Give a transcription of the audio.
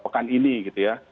pekan ini gitu ya